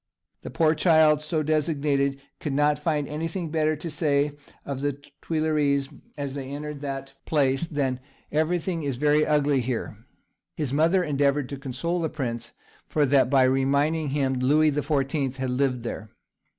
The poor child so designated could not find anything better to say of the Tuileries, as they entered that place, than, "Everything is very ugly here." His mother endeavoured to console the prince for that by reminding him Louis the Fourteenth had lived there.